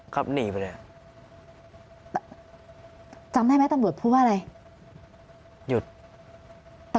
ครับหนีไปเนี่ยจำได้ไหมตำบวดพูดว่าอะไรหยุดตะ